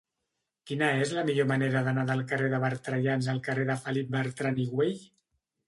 Quina és la millor manera d'anar del carrer de Bertrellans al carrer de Felip Bertran i Güell?